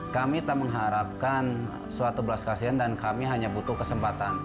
kami tak mengharapkan suatu belas kasihan dan kami hanya butuh kesempatan